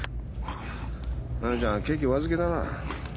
マメちゃんケーキはお預けだな。